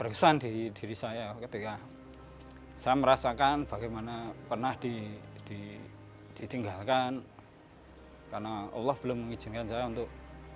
kesan di diri saya ketika saya merasakan bagaimana pernah ditinggalkan karena allah belum mengizinkan saya untuk